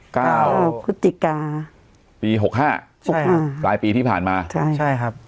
เก้าพฤศจิกาปีหกห้าใช่ค่ะปลายปีที่ผ่านมาใช่ใช่ครับ